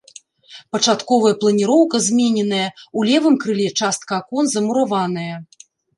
Пачатковая планіроўка змененая, у левым крыле частка акон замураваная.